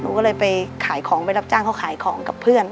ก็เลยไปขายของไปรับจ้างเขาขายของกับเพื่อน